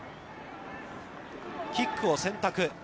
キックを選択。